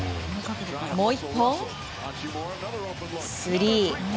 もう１本、スリー！